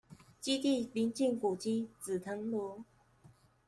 基地鄰近古蹟「紫藤廬」